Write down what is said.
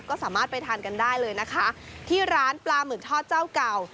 ก็สามารถไปทานกันได้เลยนะคะที่ร้านปลาหมึกทอดเจ้าเก่า